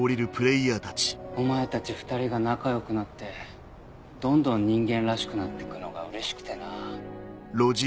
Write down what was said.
お前たち２人が仲良くなってどんどん人間らしくなってくのがうれしくてな。